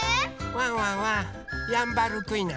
ワンワンはヤンバルクイナ。